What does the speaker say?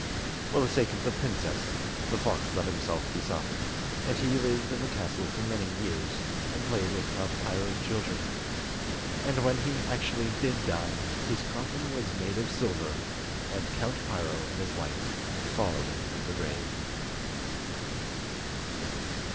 For the sake of the princess, the fox let himself be softened, and he lived in the castle for many years, and played with Count Piro's children. And when he actually did die, his coffin was made of silver, and Count Piro and his wife followed him to the grave.